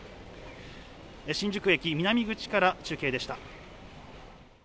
新宿駅南口から中継でした。